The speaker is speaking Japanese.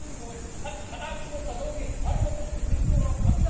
さっき固く絞った雑巾あれ持ってって天井裏はカビだらけ。